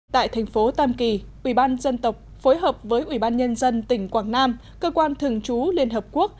tại thành phố tam kỳ ubnd phối hợp với ubnd tỉnh quảng nam cơ quan thường trú liên hợp quốc